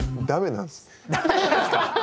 ダメなんすか？